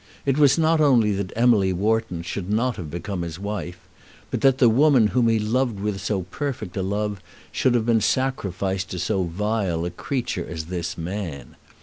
It was not only that Emily Wharton should not have become his wife, but that the woman whom he loved with so perfect a love should have been sacrificed to so vile a creature as this man.